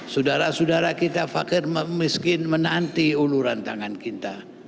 sudara sudara kita fakir memiskin menanti uluran tangan kita